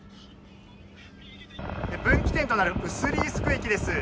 分岐点となるウスリースク駅です。